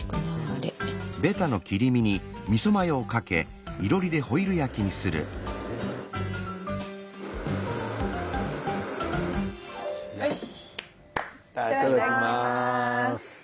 いただきます。